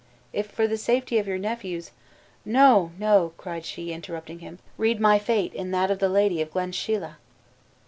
"If for the safety of your nephews " "No, no," cried she, interrupting him, "read my fate in that of the lady of Glenshealeach!"